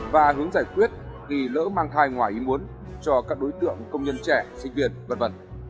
và hướng giải quyết vì lỡ mang thai ngoài ý muốn cho các đối tượng công nhân trẻ sinh viên v v